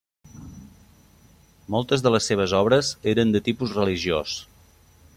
Moltes de les seves obres eren de tipus religiós.